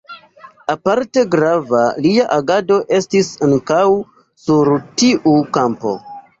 Aparte grava lia agado estis ankaŭ sur tiu kampo.